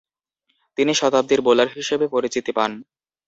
তিনি শতাব্দীর বোলার হিসেবে পরিচিতি পান।